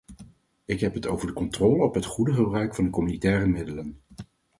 Ik heb het over de controle op het goede gebruik van de communautaire middelen.